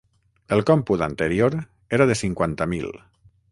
El còmput anterior era de cinquanta mil.